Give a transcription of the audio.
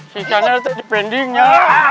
si kisanak tetap di banding ya